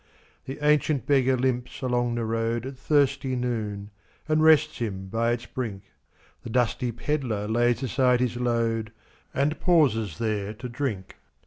The ancient beggar limps along the roadAt thirsty noon, and rests him by its brink; The dusty pedlar lays aside his load, And pauses there to drink.